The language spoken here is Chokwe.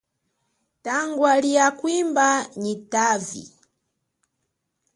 Tangwa lia kwimba yitavi.